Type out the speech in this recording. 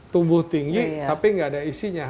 tumbuh tinggi tapi nggak ada isinya